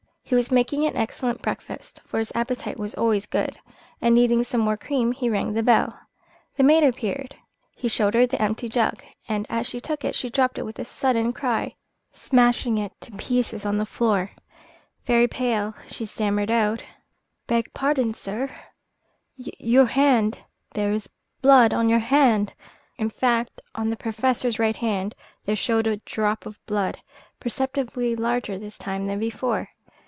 He was making an excellent breakfast, for his appetite was always good, and, needing some more cream, he rang the bell. The maid appeared, he showed her the empty jug, and as she took it she dropped it with a sudden cry, smashing it to pieces on the floor. Very pale, she stammered out: "Beg pardon, sir, your hand there is blood upon your hand." In fact, on the Professor's right hand there showed a drop of blood, perceptibly larger this time than before.